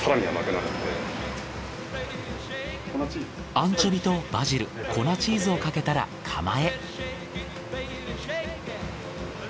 アンチョビとバジル粉チーズをかけたら窯へ。